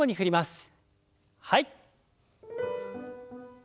はい。